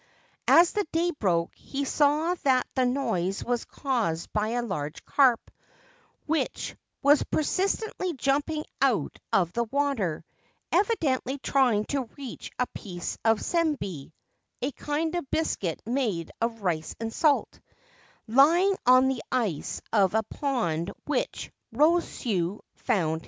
As the day broke he saw that the noise was caused by a large carp, which was persistently jumping out of the water, evidently trying to reach a piece of sembei (a kind of biscuit made of rice and salt) lying on the ice of a pond near which Rosetsu found himself.